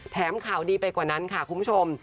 ข่าวดีไปกว่านั้นค่ะคุณผู้ชม